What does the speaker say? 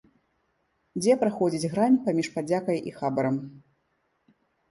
Дзе праходзіць грань паміж падзякай і хабарам?